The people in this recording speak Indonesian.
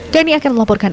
dhani akan melaporkan